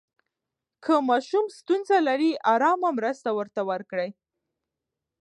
که ماشوم ستونزه لري، آرامه مرسته ورته وکړئ.